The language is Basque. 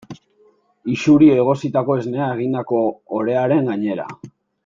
Isuri egositako esnea egindako orearen gainera.